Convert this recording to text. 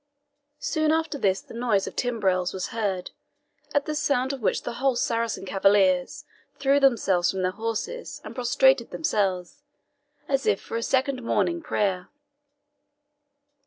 Soon after this the noise of timbrels was heard, at the sound of which the whole Saracen cavaliers threw themselves from their horses, and prostrated themselves, as if for a second morning prayer.